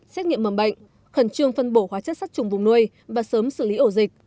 xét nghiệm mầm bệnh khẩn trương phân bổ hóa chất sát trùng vùng nuôi và sớm xử lý ổ dịch